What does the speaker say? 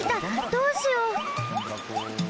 どうしよう！？